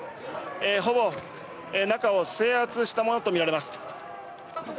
ほぼ中を制圧したものとみられます」。